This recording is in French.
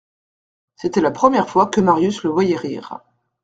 C'était la première fois que Marius le voyait rire.